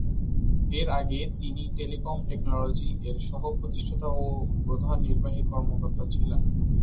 এর আগে তিনি টেলিকম টেকনোলজি এর সহ-প্রতিষ্ঠাতা ও প্রধান নির্বাহী কর্মকর্তা ছিলেন।